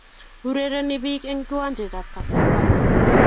Urereni pik en kiwajentab kasarani